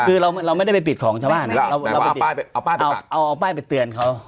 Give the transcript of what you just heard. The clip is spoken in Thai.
คือเราเราไม่ได้ไปปิดของชาวบ้านเอาป้ายเอาป้ายไปตักเอาเอาป้ายไปเตือนเขา